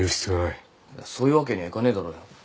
いやそういうわけにはいかねえだろうよ。